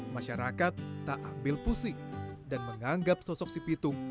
masyarakat tak ambil pusing dan menganggap sosok si pitung